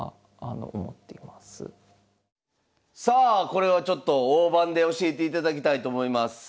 これをちょっと大盤で教えていただきたいと思います。